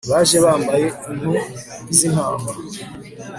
baje bambaye impu z'intama